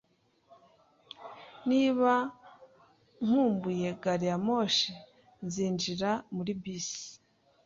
Niba nkumbuye gari ya moshi, nzinjira muri bisi.